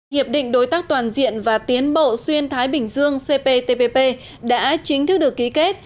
hiệp định đối tác toàn diện và tiến bộ xuyên thái bình dương cptpp đã chính thức được ký kết